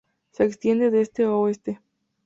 Se extiende de este a oeste.